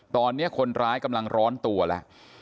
ตอนนี้คนร้ายกำลังร้อนตัวแล้ว